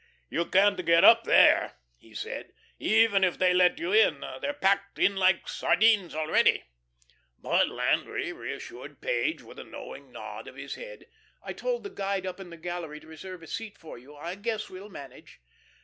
"You can't get up there," he said, "even if they let you in. They're packed in like sardines already." But Landry reassured Page with a knowing nod of his head. "I told the guide up in the gallery to reserve a seat for you. I guess we'll manage."